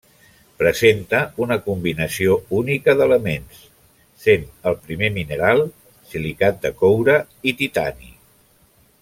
Presenta una combinació única d'elements, sent el primer mineral silicat de coure i titani.